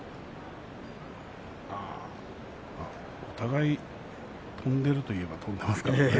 お互い飛んでいるといえば飛んでいます。